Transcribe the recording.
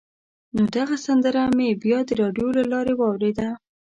نو دغه سندره مې بیا د راډیو له لارې واورېده.